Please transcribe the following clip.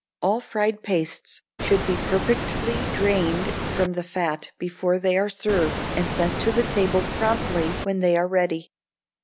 All fried pastes should be perfectly drained from the fat before they are served, and sent to table promptly when they are ready.